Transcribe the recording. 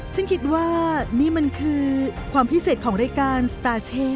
ฉันคิดว่านี่มันคือความพิเศษของรายการสตาร์เช่